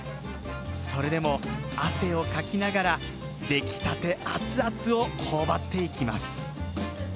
それでも、汗をかきながら出来たてアツアツを頬張っていきます。